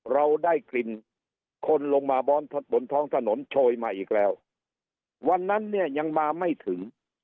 เราได้กลิ่นคนลงมาบนท้องถนนโชยมาอีกแล้ววันนั้นเนี่ยยังมาไม่ถึง